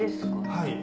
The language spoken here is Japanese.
はい。